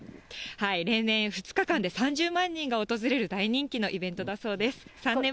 例年２日間で３０万人が訪れる大人気のイベントだそうです。